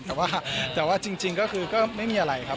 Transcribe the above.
แต่ว่าจริงก็คือก็ไม่มีอะไรครับ